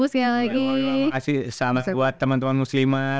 sama sama buat teman teman muslimah